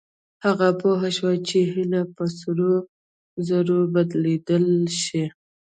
هغه پوه شو چې هيلې په سرو زرو بدلېدلای شي.